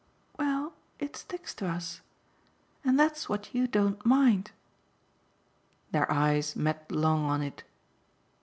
"Well, it sticks to us. And that's what you don't mind!" Their eyes met long on it.